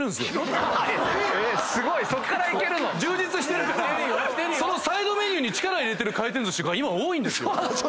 充実してるからサイドメニューに力入れてる回転寿司が今多いんですよ。